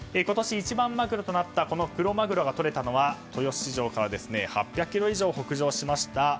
今年一番マグロとなったクロマグロがとれたのは豊洲市場から８００ｋｍ以上北上しました